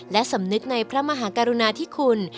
และสำนึกในพระมหากรุณาธิคุณ